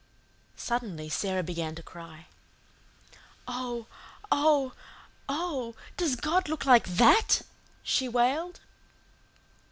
Suddenly Sara began to cry. "Oh, oh, oh, does God look like THAT?" she wailed.